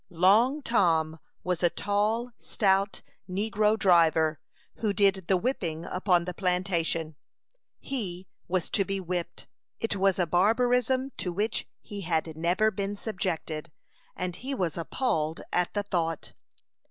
"Long Tom" was a tall, stout negro driver, who did the whipping upon the plantation. He was to be whipped! It was a barbarism to which he had never been subjected, and he was appalled at the thought.